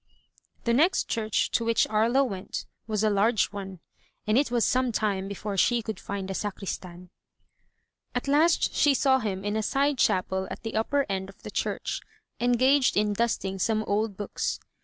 The next church to which Aria went was a large one, and it was some time before she could find the sacristan. At last she saw him in a side chapel at the upper end of the church, engaged in dusting some old books.